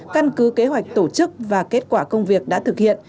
căn cứ kế hoạch tổ chức và kết quả công việc đã thực hiện